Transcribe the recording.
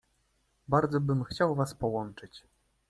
Bardzo bym chciał was połączyć.